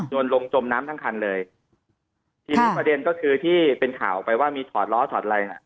โยนลงจมน้ำทั้งคันเลยประเด็นก็คือที่เป็นข่าวไปว่ามีถอดล้อถอดไรนะ